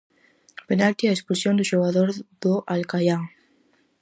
Penalti e expulsión do xogador do Alcaián.